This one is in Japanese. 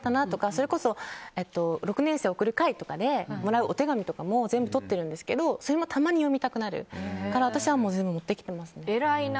それこそ６年生を送る会とかでもらうお手紙とかも全部取ってるんですけどそれもたまに読みたくなるから私は全部もってきてます。